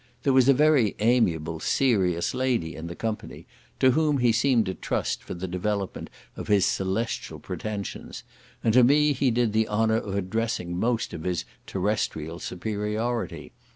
There was a very amiable serious lady in the company, to whom he seemed to trust for the development of his celestial pretensions, and to me he did the honour of addressing most of his terrestrial superiority.